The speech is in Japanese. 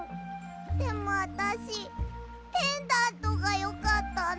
でもあたしペンダントがよかったの。